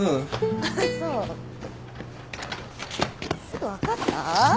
すぐ分かった？